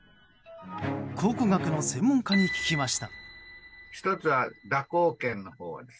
考古学の専門家に聞きました。